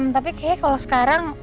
tapi kayaknya kalau sekarang